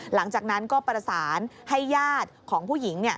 หลังจากนั้นก็ประสานให้ญาติของผู้หญิง